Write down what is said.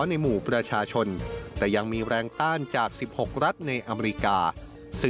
ในส่วนที่เราไม่มีประกาศ